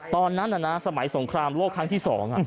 ตอนนั้นสมัยสงครามโลกครั้งที่๒